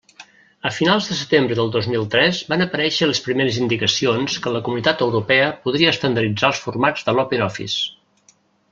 A finals de setembre del dos mil tres van aparèixer les primeres indicacions que la Comunitat Europea podria estandarditzar els formats de l'OpenOffice.